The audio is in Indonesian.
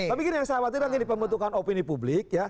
tapi ini yang saya khawatir lagi di pembentukan opini publik ya